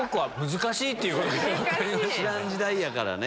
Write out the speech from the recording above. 知らん時代やからね。